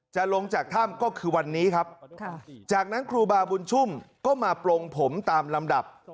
จะลงจากถ้ำก็คือวันนี้ครับจากนั้นครูบาบุญชุ่มก็มาปลงผมตามลำดับ